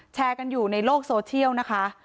แชร์กันอยู่ในโลกโซเชียลนะคะ